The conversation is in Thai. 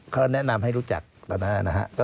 เขาแนะนำให้รู้จักตอนนั้นนะฮะ